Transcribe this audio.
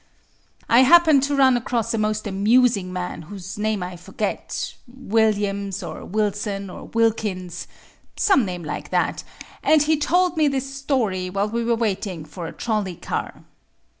I happened to run across a most amusing man whose name I forget Williams or Wilson or Wilkins; some name like that and he told me this story while we were waiting for a trolley car.